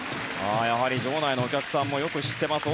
やはり場内のお客さんもよく知っています。